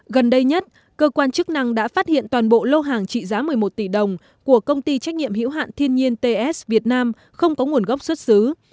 gần đây nhất cơ quan chức năng đã phát hiện toàn bộ lô hàng trị giá một mươi một tỷ đồng của công ty trách nhiệm hiểu hạn thiên nhiên ts việt nam không có nguồn gốc xuất xứ